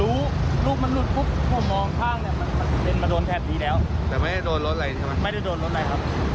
อีกแหล่วแต่ไม่ได้โดนรถไรใช่ไหมไม่ได้โดนรถไรครับ